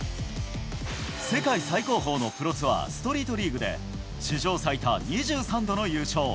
世界最高峰のプロツアーストリートリーグで史上最多２３度の優勝。